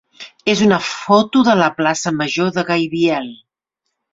és una foto de la plaça major de Gaibiel.